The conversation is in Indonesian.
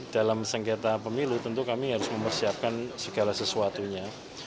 dalam sengketa pemilu tentu kami harus mempersiapkan segala sesuatunya